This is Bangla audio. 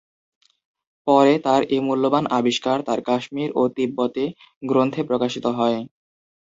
পরে তাঁর এ মূল্যবান আবিষ্কার তাঁর কাশ্মীর ও তিববতে গ্রন্থে প্রকাশিত হয়।